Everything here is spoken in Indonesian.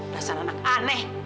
rasanya anak aneh